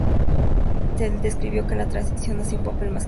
Él describió que la transición hacía un papel "más creativo".